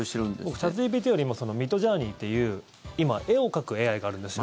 僕、チャットＧＰＴよりもミッドジャーニーっていう今、絵を描くＡＩがあるんですよ。